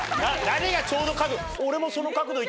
何がちょうど角度。